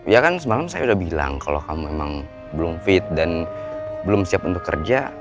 ya kan semalam saya udah bilang kalau kamu memang belum fit dan belum siap untuk kerja